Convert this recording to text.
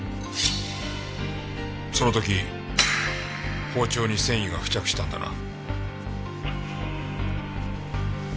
その時包丁に繊維が付着したんだな。